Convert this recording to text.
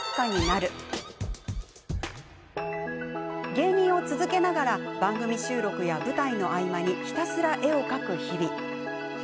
芸人を続けながら番組収録や舞台の合間にひたすら絵を描く日々。